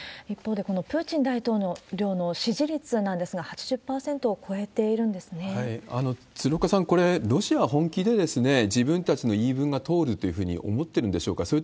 一方でこのプーチン大統領の支持率なんですが、８０％を超えてい鶴岡さん、これ、ロシアは本気で自分たちの言い分が通るというふうに思ってるんでしょうか。